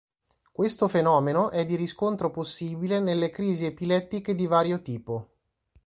Questo fenomeno è di riscontro possibile nelle crisi epilettiche di vario tipo.